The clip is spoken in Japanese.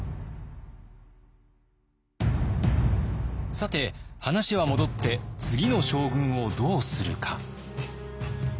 さて話は戻って次の将軍をどうするか。